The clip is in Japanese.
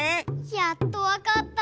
やっとわかった！